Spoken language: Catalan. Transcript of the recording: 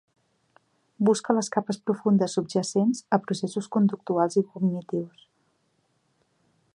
Busca les capes profundes subjacents a processos conductuals i cognitius.